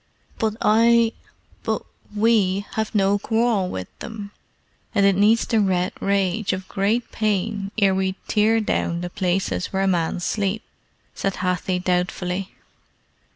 "But I but we have no quarrel with them, and it needs the red rage of great pain ere we tear down the places where men sleep," said Hathi doubtfully.